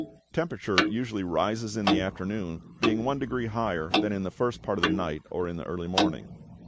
Temperature usually rises in the afternoon, being one degree higher than in the first part of the night or in the early morning.